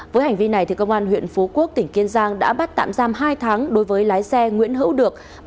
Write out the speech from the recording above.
với hành vi này công an huyện phú quốc tỉnh kiên giang đã bắt tạm giam hai tháng đối với lái xe nguyễn hữu được